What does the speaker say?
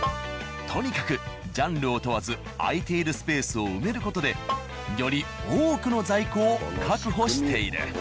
とにかくジャンルを問わず空いているスペースを埋める事でより多くの在庫を確保している。